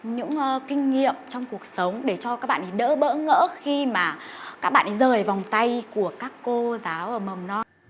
những kinh nghiệm trong cuộc sống để cho các bạn ý đỡ bỡ ngỡ khi mà các bạn ấy rời vòng tay của các cô giáo ở mầm non